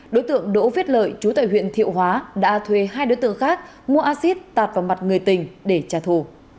đối tượng đỗ viết lợi chú tại huyện thiệu hóa đã thuê hai đối tượng khác mua axit tạt vào mặt người tỉnh để tra thù